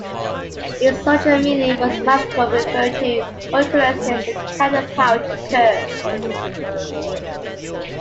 Its original meaning was magical, referring to utterances that carried a power to curse.